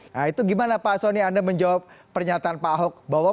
nah itu gimana pak soni anda menjawab pernyataan pak ahok bahwa